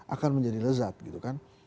akan menjadi lezat gitu kan